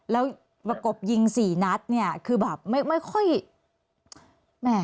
แล้วประกบยิงสี่นัดเนี่ยคือแบบไม่ค่อยแหม่